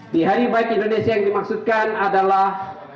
di hari baik indonesia yang dimaksudkan adalah